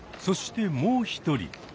そしてもう一人。